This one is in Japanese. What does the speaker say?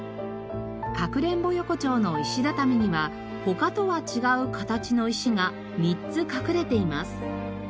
かくれんぼ横丁の石畳には他とは違う形の石が３つ隠れています。